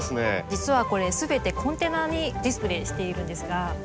実はこれすべてコンテナにディスプレーしているんですが。